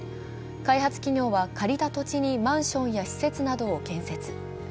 開発企業は借りた土地にマンションや施設などを建設。